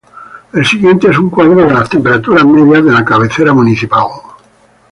El siguiente es un cuadro de las temperaturas medias de la cabecera municipal.